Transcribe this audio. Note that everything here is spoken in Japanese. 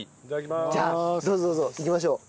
じゃあどうぞどうぞ。いきましょう。